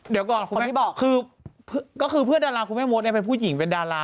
เดี๋ยวก่อนคนที่บอกคือก็คือเพื่อนดาราคุณแม่มดเนี่ยเป็นผู้หญิงเป็นดารา